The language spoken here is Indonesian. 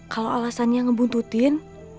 kalau alasannya ngebuntutin